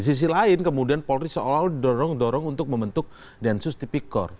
di sisi lain kemudian polri seolah olah dorong dorong untuk membentuk densus tipikor